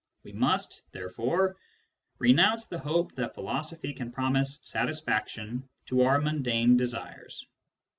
We must, therefore, renounce the hope that philosophy can promise satisfac tion to our mundane desires.